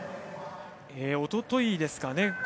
おとといですかね